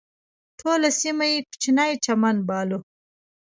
ټوله سیمه یې کوچنی چمن باله.